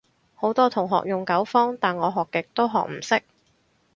好多同學用九方，但我學極都學唔識